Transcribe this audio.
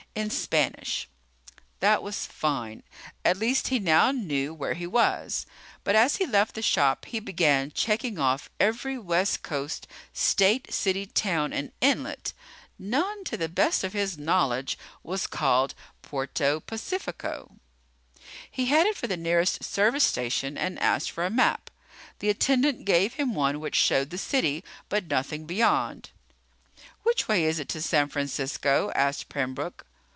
In Spanish." That was fine. At least he now knew where he was. But as he left the shop he began checking off every west coast state, city, town, and inlet. None, to the best of his knowledge, was called Puerto Pacifico. He headed for the nearest service station and asked for a map. The attendant gave him one which showed the city, but nothing beyond. "Which way is it to San Francisco?" asked Pembroke.